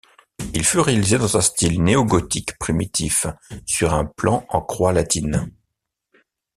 Il fut réalisé dans un style néo-gothique primitif sur un plan en croix latine.